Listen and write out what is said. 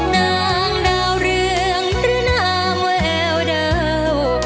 นางดาวเรืองหรือนางแววดาว